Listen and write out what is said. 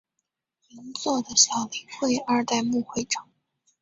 银座的小林会二代目会长。